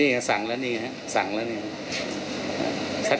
นี่แหละสั่งแล้วนี่เลยฮะสั่งแล้วนี่เลยครับ